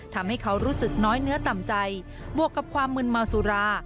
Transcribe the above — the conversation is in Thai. ทำให้เขารู้สึกน้อยเนื้อต่ำใจบวกกับความมึนเมาสุรา